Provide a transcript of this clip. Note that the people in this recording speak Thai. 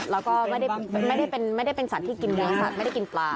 แล้วก็ไม่ได้เป็นสัตว์ที่กินเนื้อสัตว์ไม่ได้กินปลา